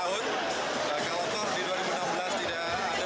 kalau toh di dua ribu enam belas tidak ada